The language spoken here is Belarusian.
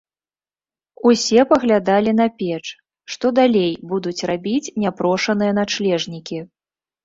Усе паглядалі на печ, што далей будуць рабіць няпрошаныя начлежнікі.